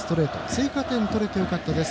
追加点が取れてよかったです